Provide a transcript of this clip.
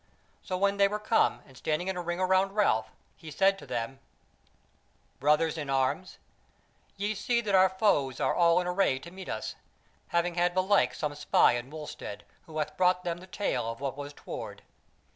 So when they were come and standing in a ring round Ralph, he said to them: "Brothers in arms, ye see that our foes are all in array to meet us, having had belike some spy in Wulstead, who hath brought them the tale of what was toward.